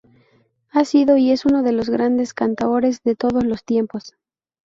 Ha sido y es uno de los grandes cantaores de todos los tiempos.